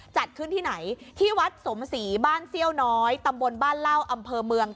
จัดขึ้นที่ไหนที่วัดสมศรีบ้านเซี่ยวน้อยตำบลบ้านเล่าอำเภอเมือง